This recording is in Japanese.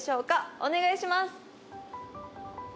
お願いします。